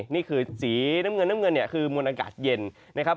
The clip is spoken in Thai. นี่คือสีน้ำเงินน้ำเงินเนี่ยคือมวลอากาศเย็นนะครับ